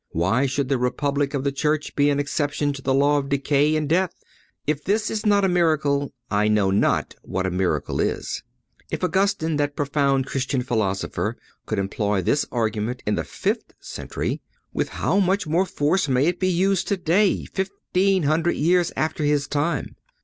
Why should the Republic of the Church be an exception to the law of decay and death? If this is not a miracle, I know not what a miracle is. If Augustin, that profound Christian philosopher, could employ this argument in the fifth century, with how much more force may it be used today, fifteen hundred years after his time!